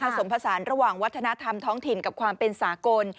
ผสมผสานระหว่างวัฒนธรรมท้องถิ่นกับความเป็นสากล